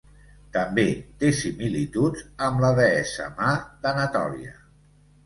També té similituds amb la deessa Ma d'Anatòlia.